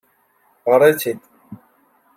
Ɣṛet-t-id.